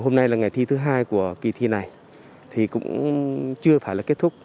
hôm nay là ngày thi thứ hai của kỳ thi này thì cũng chưa phải là kết thúc